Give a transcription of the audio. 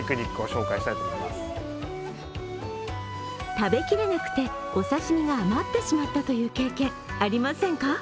食べきれなくてお刺身が余ってしまったという経験ありませんか？